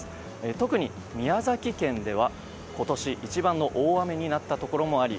特に宮崎県では今年一番の大雨になったところもあり